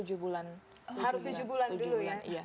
harus tujuh bulan dulu ya